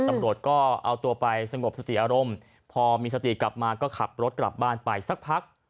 ตำรวจก็เอาตัวไปสงบสติอารมณ์พอมีสติกลับมาก็ขับรถกลับบ้านไปสักพัก